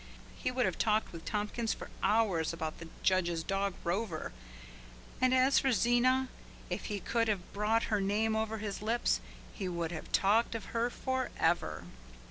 He would have talked with Tompkins for hours about the judge's dog Rover. And as for Zena, if he could have brought her name over his lips, he would have talked of her forever.